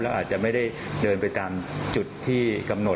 แล้วอาจจะไม่ได้เดินไปตามจุดที่กำหนด